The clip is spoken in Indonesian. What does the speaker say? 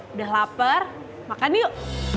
udah lapar makan yuk